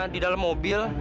di dalam mobil